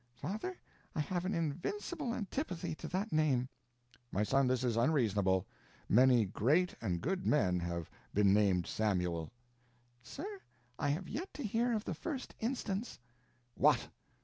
"Father, I have an invincible antipathy to that name." "My son, this is unreasonable. Many great and good men have been named Samuel." "Sir, I have yet to hear of the first instance." "What!